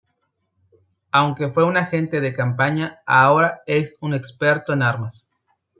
Aunque fue un agente de campaña, ahora es un experto en armas.